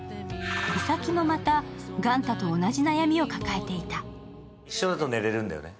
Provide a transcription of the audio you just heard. イサキもまたガンタと同じ悩みを抱えていた。